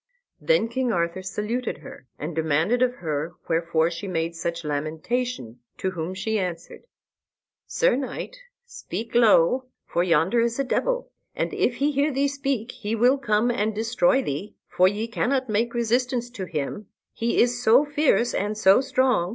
Then King Arthur saluted her, and demanded of her wherefore she made such lamentation; to whom she answered: "Sir knight, speak low, for yonder is a devil, and if he hear thee speak, he will come and destroy thee. For ye cannot make resistance to him, he is so fierce and so strong.